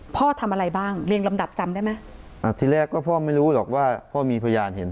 ทำอะไรบ้างเรียงลำดับจำได้ไหมอ่าทีแรกก็พ่อไม่รู้หรอกว่าพ่อมีพยานเห็น